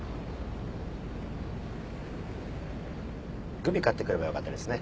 グミ買ってくればよかったですね。